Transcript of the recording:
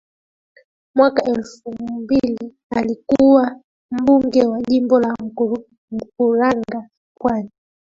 Mwaka elfu mbili alikua mbunge wa Jimbo la Mkuranga Pwani